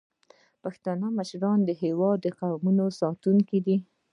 پښتني مشران د هیواد د قومونو ساتونکي دي.